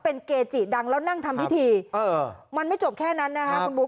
เป็นเกจิดังแล้วนั่งทำพิธีมันไม่จบแค่นั้นนะคะคุณบุ๊